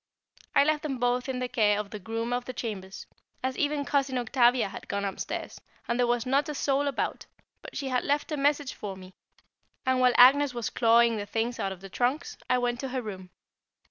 I left them both in the care of the groom of the chambers, as even Cousin Octavia had gone upstairs, and there was not a soul about, but she had left a message for me; and while Agnès was clawing the things out of the trunks, I went to her room.